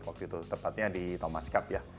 waktu itu tepatnya di thomas cup ya